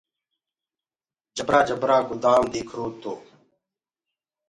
جبرآ جبرآ گُدآم ديکرو تو۔